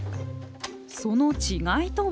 その違いとは？